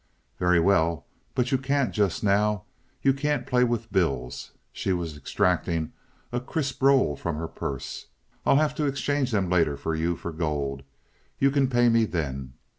"Very well, but you can't just now. You can't play with bills." She was extracting a crisp roll from her purse. "I'll have to exchange them later for you for gold. You can pay me then.